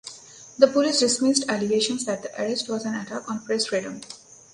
The police dismissed allegations that the arrest was an attack on press freedom.